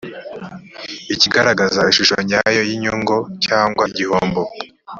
ikagaragaza ishusho nyayo y’inyungo cyangwa igihombo.